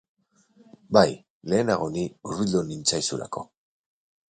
Bai, lehenago ni hurbildu nintzaizulako.